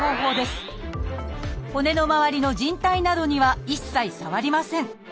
骨のまわりのじん帯などには一切触りません。